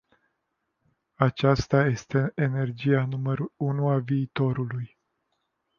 Aceasta este energia numărul unu a viitorului.